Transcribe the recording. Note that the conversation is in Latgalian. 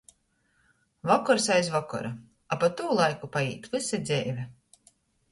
Vokors aiz vokora, a pa tū laiku paīt vysa dzeive.